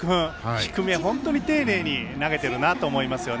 低め、本当に丁寧に投げてるなと思いますね。